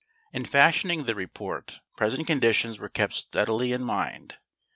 In fashioning the report, present conditions were kept steadily in mind.